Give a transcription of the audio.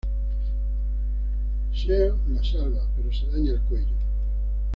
Sean la salva, pero se daña el cuello.